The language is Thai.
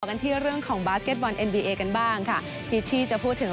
กันที่เรื่องของบาสเก็ตบอลเอ็นบีเอกันบ้างค่ะพิชชี่จะพูดถึง